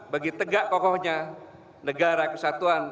bagi tegak kokohnya negara kesatuan